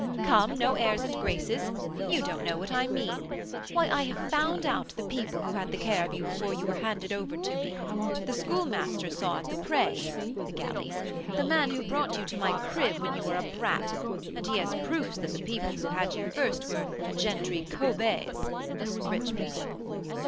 Come, no airs and graces. You don't know what I mean. Why, I have found out the people who had the care of you before you were handed over to me. The Schoolmaster saw at the Pré (the galleys) the man who brought you to my 'crib' when you were a brat, and he has proofs that the people who had you first were 'gentry coves'" (rich people).